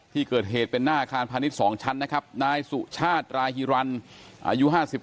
ที่เกิดเหตุเป็นหน้าอาคารพาณิชย์๒ชั้นนะครับนายสุชาติราฮิรันอายุ๕๓